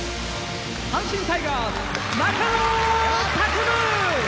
阪神タイガース・中野拓夢！